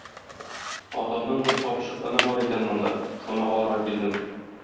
Атамның бер капчык оны бар икән монда, шуны алырга килдем.